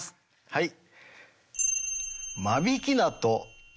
はい。